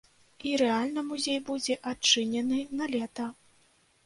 І рэальна музей будзе адчынены на лета.